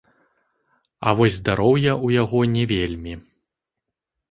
А вось здароўе ў яго не вельмі.